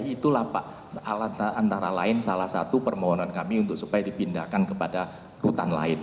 itulah salah satu permohonan kami untuk supaya dipindahkan kepada rutan lain